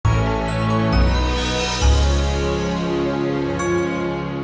saya ikhlas berkorban pak